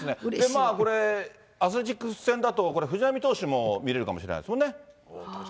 これ、アスレチックス戦だと、これ、藤浪投手も見れるかもしれないですもんね。